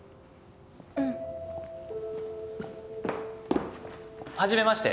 うん。初めまして。